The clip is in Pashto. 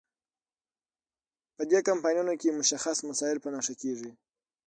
په دې کمپاینونو کې مشخص مسایل په نښه کیږي.